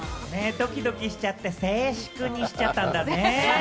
ドキドキしちゃって静粛にしちゃったんだね。